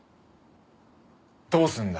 どうするんだ？